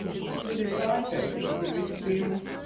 Tad ir pārsteigti, ka tur viss pilns.